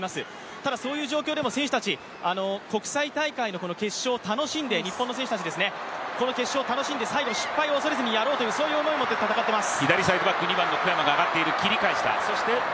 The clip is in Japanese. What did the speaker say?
しかしそういう中でも選手たち、国際大会の決勝を楽しんで、日本の選手たち、この決勝を楽しんで、最後失敗を恐れず楽しむように、そういう思いでやっています。